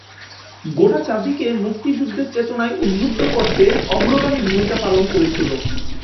গোটা জাতিকে মুক্তিযুদ্ধের চেতনায় উদ্বুদ্ধ করতে অগ্রগামী ভূমিকা পালন করেছিল